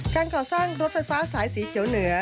การก่อสร้างรถไฟฟ้าสายสีเขียวเหนือ